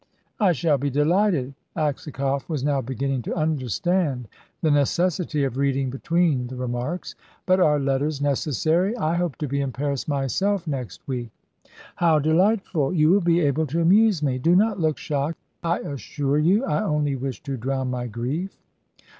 "I shall be delighted"; Aksakoff was now beginning to understand the necessity of reading between the remarks. "But are letters necessary? I hope to be in Paris myself next week." "How delightful! You will be able to amuse me. Do not look shocked. I assure you I only wish to drown my grief."